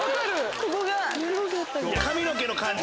ここが。